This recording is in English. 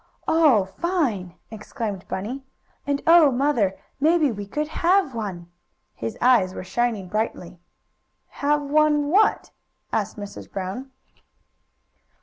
"Oh, fine!" exclaimed Bunny. "And oh, Mother! Maybe we could have one!" His eyes were shining brightly. "Have one what?" asked Mrs. Brown.